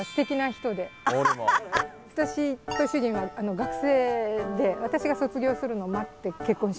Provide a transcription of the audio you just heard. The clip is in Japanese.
私と主人は学生で私が卒業するのを待って結婚しました。